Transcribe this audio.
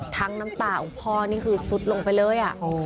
น้ำตาของพ่อนี่คือซุดลงไปเลย